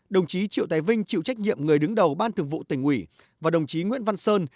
đồng chí triệu tài vinh chịu trách nhiệm người đứng đầu ban thường vụ tỉnh ủy và đồng chí nguyễn văn sơn